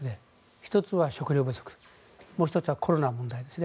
１つは食糧不足もう１つはコロナの問題ですね。